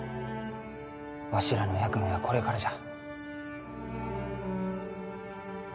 わしらの役目はこれからじゃ。